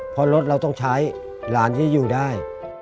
เพราะรถเราต้องใช้หลานจะอยู่ได้